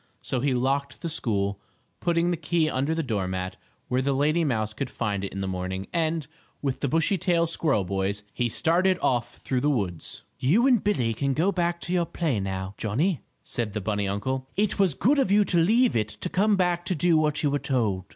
So he locked the school, putting the key under the doormat, where the lady mouse could find it in the morning, and, with the Bushytail squirrel boys, he started off through the woods. "You and Billie can go back to your play, now, Johnnie," said the bunny uncle. "It was good of you to leave it to come back to do what you were told."